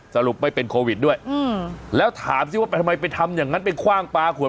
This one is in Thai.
สรุปไม่เป็นโควิดด้วยแล้วถามสิว่าไปทำไมไปทำอย่างนั้นไปคว่างปลาขวด